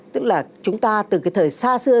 tức là chúng ta từ cái thời xa xưa